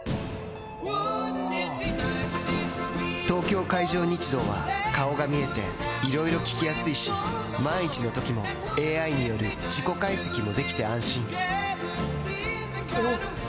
東京海上日動は顔が見えていろいろ聞きやすいし万一のときもＡＩによる事故解析もできて安心おぉ！